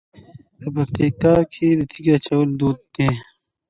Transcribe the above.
په پکتیا کې د تیږې اچول دود دی.